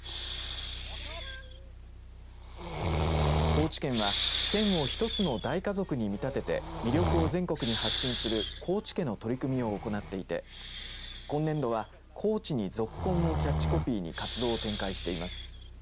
高知県は、県を一つの大家族に見立てて魅力を全国に発信する高知家の取り組みを行っていて今年度は高知にぞっ婚をキャッチコピーに活動を展開しています。